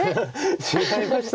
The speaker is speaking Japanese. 違いました。